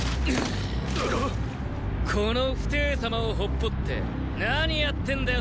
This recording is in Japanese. この傅抵様を放っぽって何やってんだよ